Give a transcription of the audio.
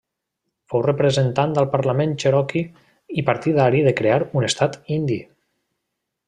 Fou representant al parlament cherokee i partidari de crear un Estat Indi.